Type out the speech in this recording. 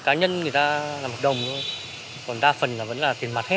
còn đa phần là vẫn là tiền mặt hết